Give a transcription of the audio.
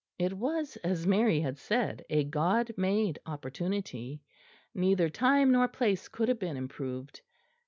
It was, as Mary had said, a God made opportunity. Neither time nor place could have been improved.